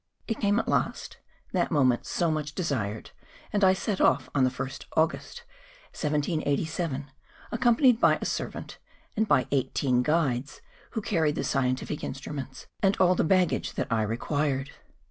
It came at last,—that moment so much desired, —and I set off on the 1st of August, 1787, accom¬ panied by a servant, and by eighteen guides, who carried the scientific instruments, and all the bag¬ gage that 1 required.